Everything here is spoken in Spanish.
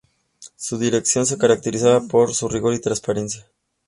Su dirección se caracterizaba por su rigor y transparencia.